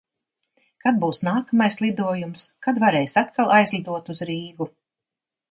Kad būs nākamais lidojums? Kad varēs atkal aizlidot uz Rīgu?